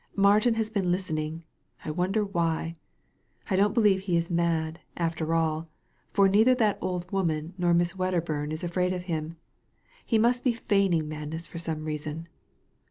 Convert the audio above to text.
" Martin has been listening. I wonder why ? I don't believe he is mad, after all, for neither that old woman nor Miss Wedderburn is afraid of him. He must be feigning madness for some reason.